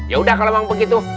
ya udah kalau memang begitu